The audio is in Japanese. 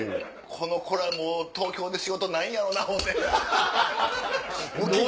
この子らもう東京で仕事ないんやろうな思て。